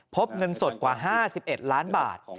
พบเงินสดกว่า๕๑ล้านบาท